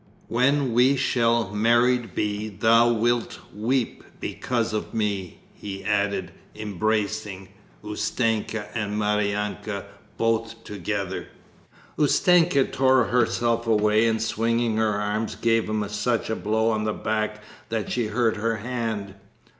When we shall married be thou wilt weep because of me!" he added, embracing Ustenka and Maryanka both together. Ustenka tore herself away, and swinging her arm gave him such a blow on the back that she hurt her hand.